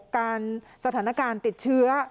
การสถานการณ์ติดเชื้อ